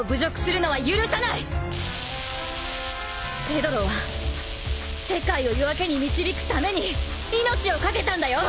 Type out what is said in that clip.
ペドロは世界を夜明けに導くために命をかけたんだよ！